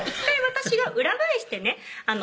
「１回私が裏返してね」